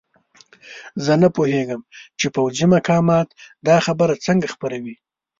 زه نه پوهېږم چې پوځي مقامات دا خبره څنګه خپروي.